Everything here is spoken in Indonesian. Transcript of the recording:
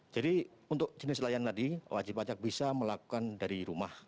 jadi untuk jenis layanan tadi wajib pajak bisa melakukan dari rumah